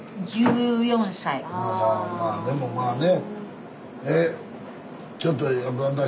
まあまあまあでもまあね。